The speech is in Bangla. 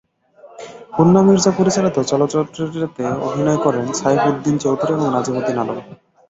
বন্যা মির্জা পরিচালিত চলচ্চিত্রটিতে অভিনয় করেন সাইফউদ-দীন চৌধুরী এবং নাজিম উদ্দিন আলম।